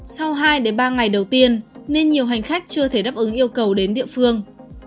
sau hai ba ngày đầu tiên nên nhiều hành khách chưa thể đáp ứng yêu cầu đến địa phương